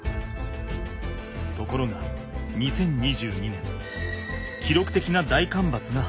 ところが２０２２年きろく的な大干ばつが発生。